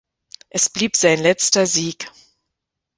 Es blieb sein letzter Sieg.